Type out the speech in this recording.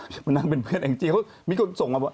แต่ว่ามันนั่งเป็นเพื่อนอย่างจริงเค้ามีคนส่งมาบอก